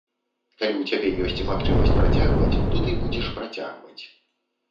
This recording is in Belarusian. Калі ў цябе ёсць магчымасць працягваць, то ты будзеш працягваць.